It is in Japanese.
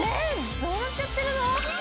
どうなっちゃってるの！？